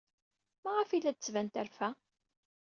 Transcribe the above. Maɣef ay la d-tettban terfa?